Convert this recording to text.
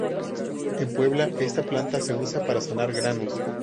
En Puebla esta planta se usa para sanar granos.